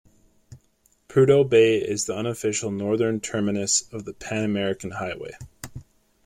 Prudhoe Bay is the unofficial northern terminus of the Pan-American Highway.